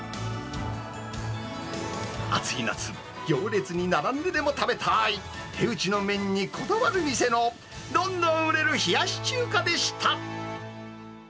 暑い夏、行列に並んででも食べたーい、手打ちの麺にこだわる店の、どんどん売れる冷やし中華でした。